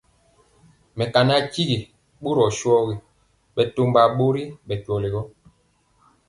Mekana tyigi borɔ shɔgi bɛtɔmba bori bɛ kweli.